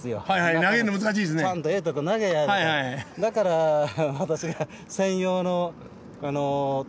だから私が。